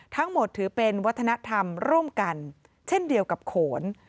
ทั้งหมดถือเป็นวัฒนธรรมร่วมกันเช่นเดียวกับโขน